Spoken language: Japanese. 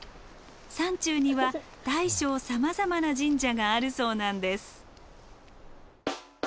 山中には大小さまざまな神社があるそうなんです。